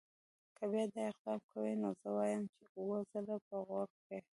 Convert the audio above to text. که بیا دا اقدام کوي نو زه وایم چې اووه ځله به غور کوي.